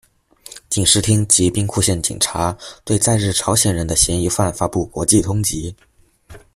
警视厅及兵库县警察对在日朝鲜人的嫌疑犯发布国际通缉。